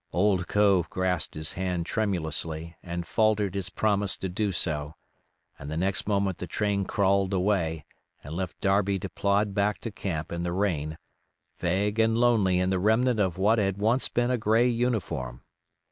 Old Cove grasped his hand tremulously and faltered his promise to do so, and the next moment the train crawled away and left Darby to plod back to camp in the rain, vague and lonely in the remnant of what had once been a gray uniform.